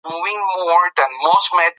که تاسي وغواړئ زه به دا پوسټ درسره شریک کړم.